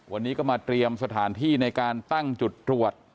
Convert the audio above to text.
วันนี้ก็มาเตรียมสถานที่ในการตั้งจุดตรวจ